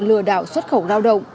lừa đảo xuất khẩu lao động